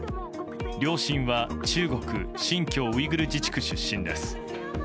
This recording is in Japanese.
両親は中国新疆ウイグル自治区出身です。